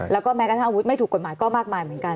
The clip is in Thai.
แล้วก็แม้กระทั่งอาวุธไม่ถูกกฎหมายก็มากมายเหมือนกัน